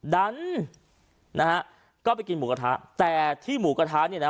ดันนะฮะก็ไปกินหมูกระทะแต่ที่หมูกระทะเนี่ยนะ